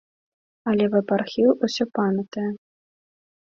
Але вэб-архіў ўсё памятае.